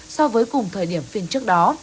so với cùng thời điểm phiên trước đó